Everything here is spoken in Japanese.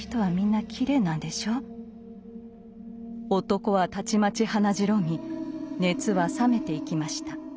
男はたちまち鼻白み熱は冷めていきました。